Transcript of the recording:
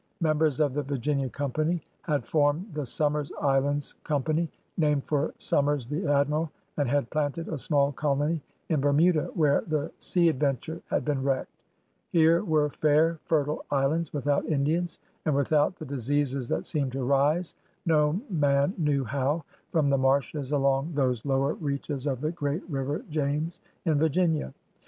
Members of the Virginia Company had formed the Somers Islands Com pany — named for Somers the Admiral — and had planted a small colony in Bermuda where the Sea Adventure had been wrecked. Here were fair, fertile islands without Indians, and without the diseases that seemed to rise, no man knew how, from the marshes along those lower reaches of the great river James in Virginia.